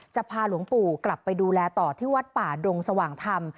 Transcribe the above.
จะพาหลวงปู่กลับไปดูแลต่อที่วัดป่าดงสว่างธรรม